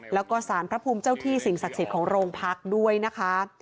แล้วก็สารพระภูมิเจ้าที่สิ่งศักดิ์สิทธิ์ของโรงพักด้วยนะคะ